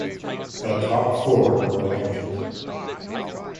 The top four were elected.